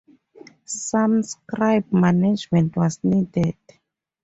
Some scrub management was needed.